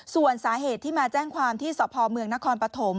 ส่วนสาเหตุที่มาแจ้งความที่สพเมืองนครปฐม